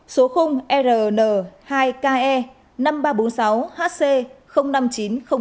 số khung rn hai ke năm nghìn ba trăm bốn mươi sáu hc năm mươi chín nghìn tám mươi một